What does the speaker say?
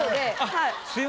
はい。